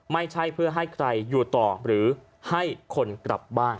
ไม่ใช่เพื่อให้ใครอยู่ต่อหรือให้คนกลับบ้าน